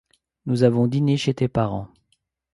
Nous avons dîné chez tes parents.